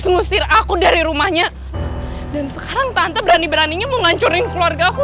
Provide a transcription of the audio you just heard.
ngusir aku dari rumahnya dan sekarang tante berani beraninya mau ngancurin keluarga aku